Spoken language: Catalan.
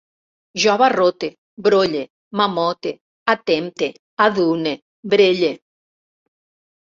Jo barrote, brolle, m'amote, atempte, adune, brelle